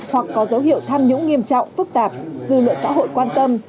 hoặc có dấu hiệu tham nhũng nghiêm trọng phức tạp dư luận xã hội quan tâm